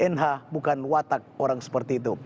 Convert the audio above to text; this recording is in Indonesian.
nh bukan watak orang seperti itu